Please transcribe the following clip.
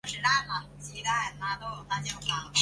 还有少数民族地区财政三照顾政策。